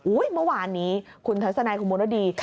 โอ๊ยเมื่อวานนี้คุณทัศนายคุณมณฑ์ดี